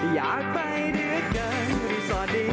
อยากไปด้วยเกินรีสอร์ทดี